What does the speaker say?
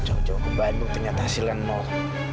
jauh jauh ke bandung ternyata hasilnya nol